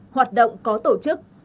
hoạt động có tổ chức